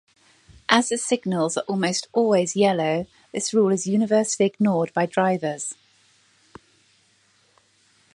As the signals are almost always yellow, this rule is universally ignored by drivers.